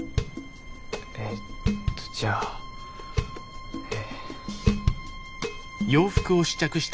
えっとじゃあえ。